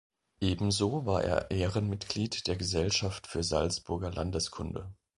Ebenso war er Ehrenmitglied der Gesellschaft für Salzburger Landeskunde.